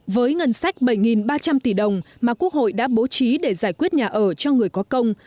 với ngân sách bảy ba trăm linh tỷ đồng mà quốc hội đã bố trí để giải quyết nhà ở cho người có công